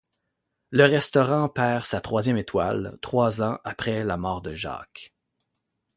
Le restaurant perd sa troisième étoile, trois ans après la mort de Jacques.